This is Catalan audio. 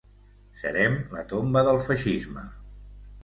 Serem la tomba del feixisme.